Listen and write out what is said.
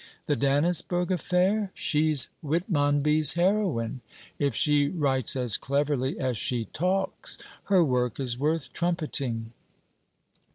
The Dannisburgh affair?... She's Whitmonby's heroine. If she writes as cleverly as she talks, her work is worth trumpeting.'